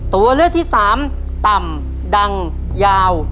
ตัวเลือกที่สามต่ำดังยาว